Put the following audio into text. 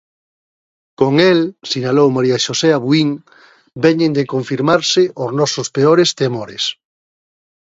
Con el, sinalou María Xosé Abuín, "veñen de confirmarse os nosos peores temores".